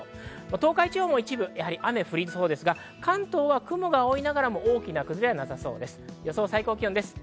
東海地方も一部、雨が降りそうですが、関東は雲が多いながらも、大きな崩れはなさそうです。